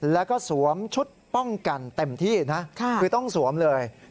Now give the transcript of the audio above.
แล้วก็สวมชุดป้องกันเต็มที่นะคือต้องสวมเลย